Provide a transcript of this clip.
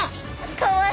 かわいい。